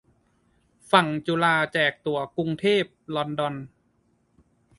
ฝั่งจุฬาแจกตั๋วกรุงเทพ-ลอนดอน